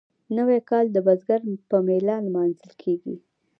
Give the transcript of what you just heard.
نوی کال د بزګر په میله لمانځل کیږي.